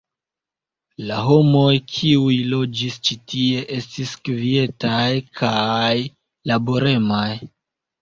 La homoj, kiuj loĝis ĉi tie, estis kvietaj kaj laboremaj.